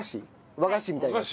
和菓子みたいなやつ？